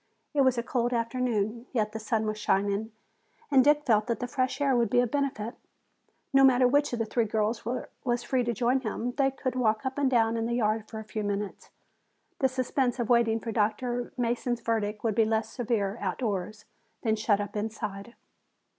It was a cold afternoon, yet the sun was shining and Dick felt that the fresh air would be of benefit. No matter which of the three girls was free to join him, they could walk up and down in the yard for a few minutes. The suspense of waiting for Dr. Mason's verdict would be less severe outdoors than shut up inside.